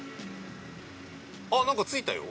あっ何か着いたよ。